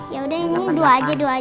yaudah ini dua aja